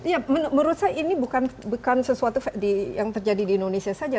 ya menurut saya ini bukan sesuatu yang terjadi di indonesia saja